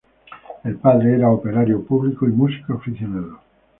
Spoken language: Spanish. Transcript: El padre era operario público y músico aficionado.